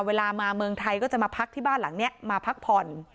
เวลามาเมืองไทยก็จะมาพักที่บ้านหลังนี้มาพักผ่อน